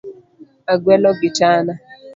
Agwelo gitana.